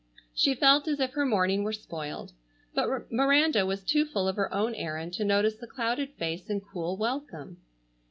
She felt as if her morning were spoiled. But Miranda was too full of her own errand to notice the clouded face and cool welcome.